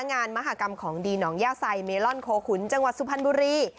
งานมหากรรมของดีหนองย่าไซเมลอนโคขุนจังหวัดสุพรรณบุรี